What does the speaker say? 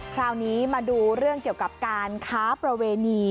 คราวนี้มาดูเรื่องเกี่ยวกับการค้าประเวณี